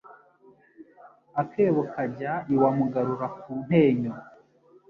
Akebo kajya iwa Mugarura kuntenyo